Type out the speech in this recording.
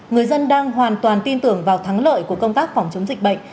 người dân đang hoàn toàn tin tưởng vào thắng lợi của công tác phòng chống dịch bệnh